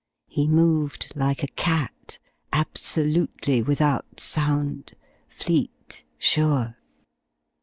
He moved like a cat, absolutely without sound, fleet, sure.